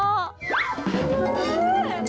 bapak emang gak ada maunya